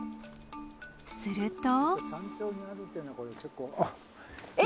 すると。